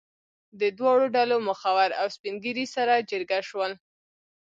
د دواړو ډلو مخور او سپین ږیري سره جرګه شول.